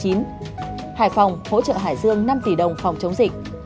hải phòng hỗ trợ hải dương năm tỷ đồng phòng chống dịch